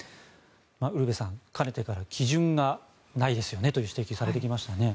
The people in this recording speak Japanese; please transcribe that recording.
ウルヴェさん、かねてから基準がないですよねという指摘をされてきましたよね。